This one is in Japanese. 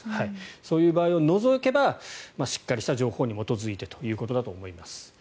そういう場合を除けばしっかりした情報に基づいてということだと思います。